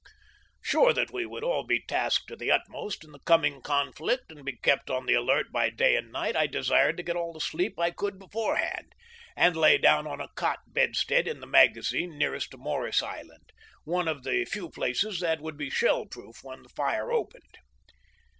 Sure that we would all be tasked to the utmost in the coming conflict, and be kept on the alert by day and night, I desired to get all the sleep I could beforehand, and lay down on a cot bedstead in the magazine nearest to Morris Island, ŌĆö one of the few places that would be shell proof when the fire opened.